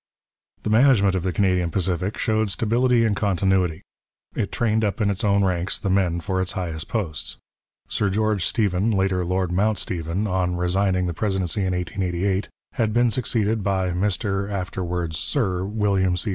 The management of the Canadian Pacific showed stability and continuity. It trained up in its own ranks the men for its highest posts. Sir George Stephen, later Lord Mount Stephen, on resigning the presidency in 1888, had been succeeded by Mr, afterwards Sir, William C.